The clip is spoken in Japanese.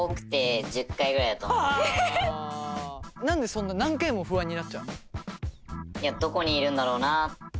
何でそんな何回も不安になっちゃうの？